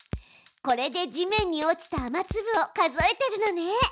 これで地面に落ちた雨つぶを数えてるのね。